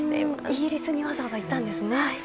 イギリスにわざわざ行ったんですね。